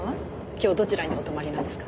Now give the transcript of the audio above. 今日どちらにお泊まりなんですか？